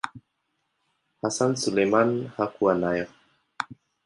Hassan Suleiman hakuwa nayo.